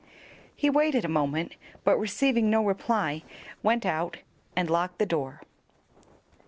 He waited a moment, but receiving no reply, went out and locked the door.